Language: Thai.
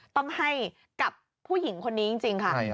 ต้องให้กับผู้หญิงคนนี้จริงค่ะ